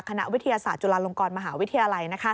คณะวิทยาศาสตร์จุฬาลงกรมหาวิทยาลัย